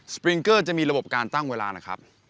ปริงเกอร์จะมีระบบการตั้งเวลานะครับ